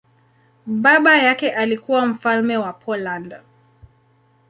Baba yake alikuwa mfalme wa Poland.